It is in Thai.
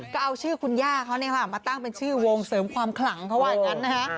ก็เอาชื่อคุณย่าเขามาตั้งเป็นชื่อวงเสริมความขลังเขาว่าอย่างนั้นนะคะ